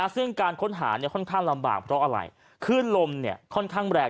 ซึ่งการค้นหาค่อนข้างลำบากเพราะอะไรขึ้นลมค่อนข้างแรง